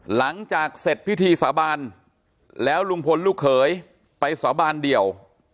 หลังจากเสร็จพิธีสาบานแล้วลุงพลลูกเขยไปสาบานเดี่ยว